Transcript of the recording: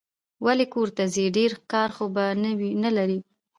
ولي کورته ځې ؟ ډېر کار خو به نه لرې